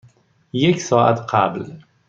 یک ساعت قبل.